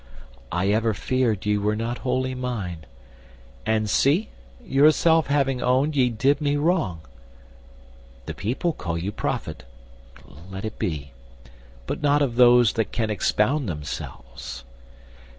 I ever feared ye were not wholly mine; And see, yourself have owned ye did me wrong. The people call you prophet: let it be: But not of those that can expound themselves.